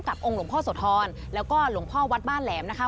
องค์หลวงพ่อโสธรแล้วก็หลวงพ่อวัดบ้านแหลมนะคะ